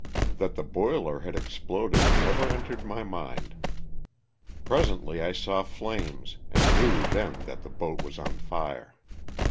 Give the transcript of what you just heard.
That the boiler had exploded never entered my mind. Presently I saw flames and knew then that the boat was on fire.